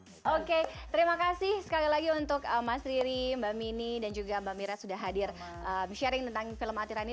oke terima kasih sekali lagi untuk mas riri mbak mini dan juga mbak mira sudah hadir sharing tentang film atirani